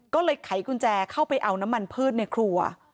ก็เลยไขกุญแจเข้าไปเอาน้ำมันพืชในครัว